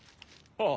ああ。